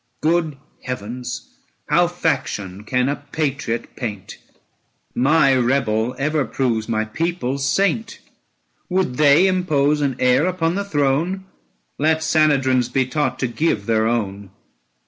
Good heavens, how faction can a patriot paint ! My rebel ever proves my people's saint. Would they impose an heir upon the throne? 975 Let Sanhedrins be taught to give their own.